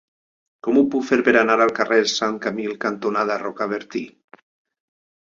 Com ho puc fer per anar al carrer Sant Camil cantonada Rocabertí?